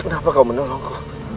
kenapa kau menolongku